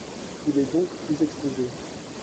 Il est donc plus exposé.